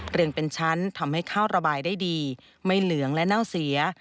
เรืองเป็นชั้นทำให้ข้าวระบายได้ดีไม่เหลืองและเน่าเสีย